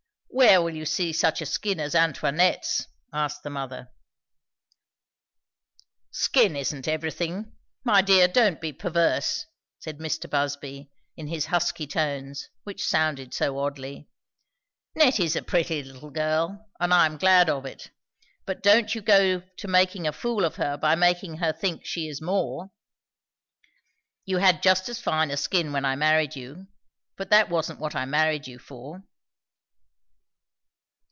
"Where will you see such a skin as Antoinette's?" asked the mother. "Skin isn't everything. My dear, don't be perverse," said Mr. Busby, in his husky tones which sounded so oddly. "Nettie's a pretty little girl, and I am glad of it; but don't you go to making a fool of her by making her think she is more. You had just as fine a skin when I married you; but that wasn't what I married you for."